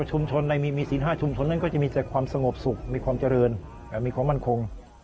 ในมีศีล๕ชุมชนนั้นก็จะมีแต่ความสงบสุขมีความเจริญมีความมั่นคง